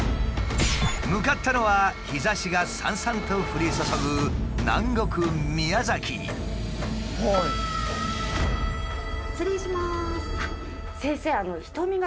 向かったのは日ざしがさんさんと降り注ぐ南国失礼します。